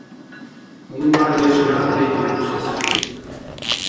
Амма, неш, наб хӀейги усес.